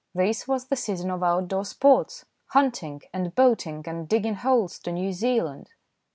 This was the season of outdoor sports, hunting and boating and digging holes to New Zealand.